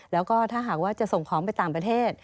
แล้วก็ถ้าหากว่าจะส่งของไปต่างประเทศ